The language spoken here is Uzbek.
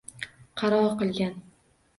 Qaro qilgan